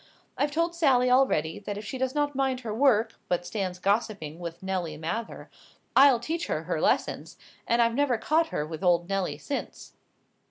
I've told Sally already, that if she does not mind her work, but stands gossiping with Nelly Mather, I'll teach her her lessons; and I've never caught her with old Nelly since."